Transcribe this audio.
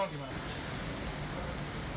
nah ini sudah ada